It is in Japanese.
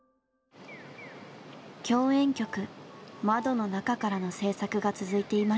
共演曲「窓の中から」の制作が続いていました。